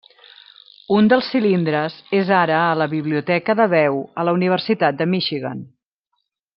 Un dels cilindres és ara a la Biblioteca de Veu a la Universitat de Michigan.